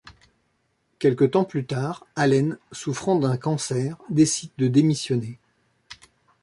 Quelque temps plus tard, Allen, souffrant d'un cancer, décide de démissionner.